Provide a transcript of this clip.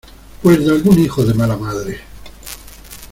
pues de algún hijo de mala madre.